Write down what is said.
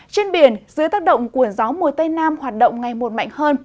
trên biển dưới tác động của gió mùa tây nam hoạt động ngày mùa mạnh hơn